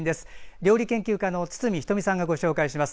料理研究家の堤人美さんがご紹介します。